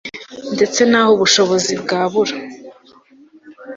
ndetse n aho ubushobozi bwabura